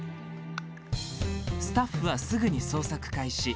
スタッフはすぐに捜索開始。